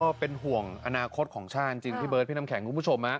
ก็เป็นห่วงอนาคตของชาติจริงพี่เบิร์ดพี่น้ำแข็งคุณผู้ชม